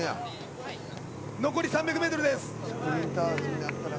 残り３００ｍです。